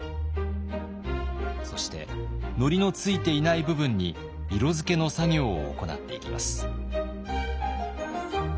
そしてのりのついていない部分に色付けの作業を行っていきます。